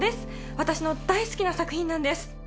私の大好きな作品なんです。